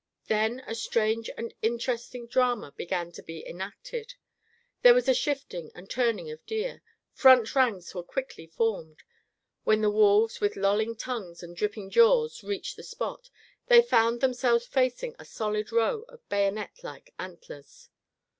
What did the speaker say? Then a strange and interesting drama began to be enacted. There was a shifting and turning of deer. Front ranks were quickly formed. When the wolves, with lolling tongues and dripping jaws reached the spot, they found themselves facing a solid row of bayonet like antlers.